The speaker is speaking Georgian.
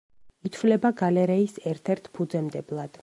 ითვლება გალერეის ერთ-ერთ ფუძემდებლად.